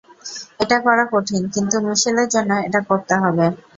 এটা করা কঠিন কিন্তু মিশেলের জন্য এটা করতে হবে।